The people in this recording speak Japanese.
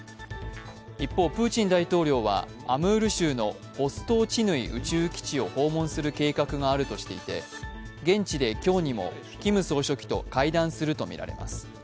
一方、プーチン大統領はアムール州のボストーチヌイ宇宙基地を訪問する計画があるとしていて現地で今日にもキム総書記と会談するとみられます。